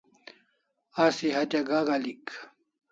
Asi hatya gak al'ik